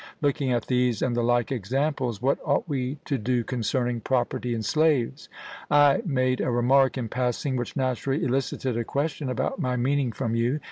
Looking at these and the like examples, what ought we to do concerning property in slaves? I made a remark, in passing, which naturally elicited a question about my meaning from you.